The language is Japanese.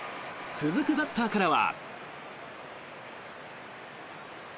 続くバッターからは。